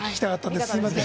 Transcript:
すみません。